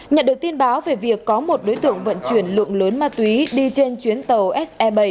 nhận được tin báo về việc có một đối tượng vận chuyển lượng lớn ma túy đi trên chuyến tàu se bảy